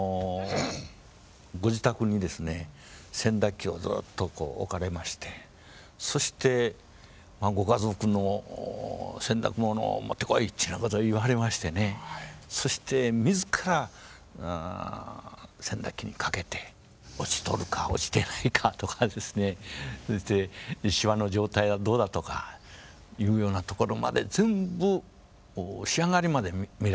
ご自宅にですね洗濯機をずっとこう置かれましてそしてご家族の洗濯物を持ってこいっちゅうようなことを言わはりましてねそして自ら洗濯機にかけて落ちとるか落ちてないかとかですねそしてしわの状態はどうだとかいうようなところまで全部仕上がりまで見られてですね。